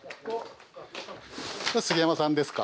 杉山さんですか？